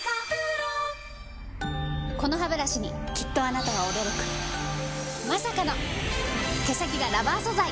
このハブラシにきっとあなたは驚くまさかの毛先がラバー素材！